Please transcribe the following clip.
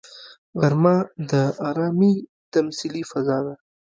غرمه د ارامي تمثیلي فضا ده